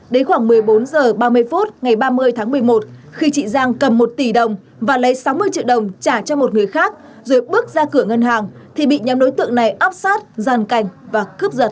đến khoảng một mươi bốn h ba mươi phút ngày ba mươi tháng một mươi một khi chị giang cầm một tỷ đồng và lấy sáu mươi triệu đồng trả cho một người khác rồi bước ra cửa ngân hàng thì bị nhóm đối tượng này áp sát giàn cảnh và cướp giật